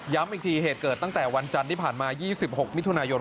อีกทีเหตุเกิดตั้งแต่วันจันทร์ที่ผ่านมา๒๖มิถุนายน